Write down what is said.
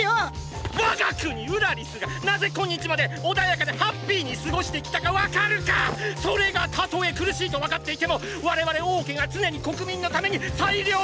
我が国ウラリスがなぜ今日まで穏やかでハッピーに過ごしてきたかわかるか⁉それがたとえ苦しいとわかっていても我々王家が常に国民のために最良の選択をしてきたからだ！